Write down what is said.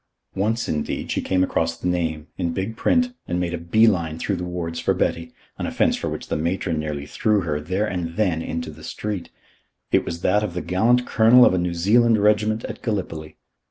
Once, indeed, she came across the name, in big print, and made a bee line through the wards for Betty an offence for which the Matron nearly threw her, there and then, into the street. It was that of the gallant Colonel of a New Zealand Regiment at Gallipoli.